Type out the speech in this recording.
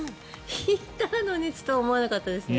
ヒーターの熱とは思わなかったですね。